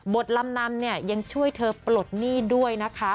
ลำนำเนี่ยยังช่วยเธอปลดหนี้ด้วยนะคะ